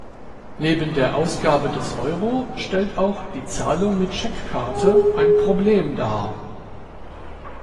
Neben der Ausgabe des Euro stellt auch die Zahlung mit Scheckkarte ein Problem dar.